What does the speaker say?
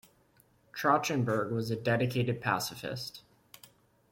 Trachtenberg was a dedicated pacifist.